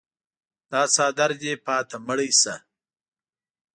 دا څادر دې پاته مړی شته.